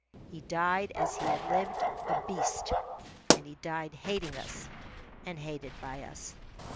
He died as he had lived, a beast, and he died hating us and hated by us.